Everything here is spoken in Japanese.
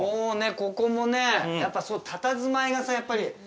ここもねやっぱたたずまいがさやっぱり。